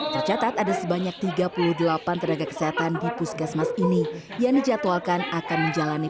tercatat ada sebanyak tiga puluh delapan tenaga kesehatan di puskesmas ini yang dijadwalkan akan menjalani